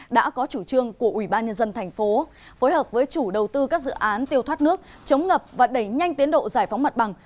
đã có chủ trương của ubnd tp phối hợp với chủ đầu tư các dự án tiêu thoát nước chống ngập và đẩy nhanh tiến độ giải phóng mặt bằng